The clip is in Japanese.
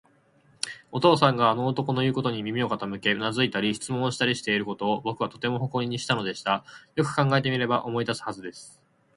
お父さんがあの男のいうことに耳を傾け、うなずいたり、質問したりしていることを、ぼくはとても誇りにしたのでした。よく考えてみれば、思い出すはずです。